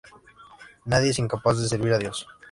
Nadie es incapaz de servir a Dios.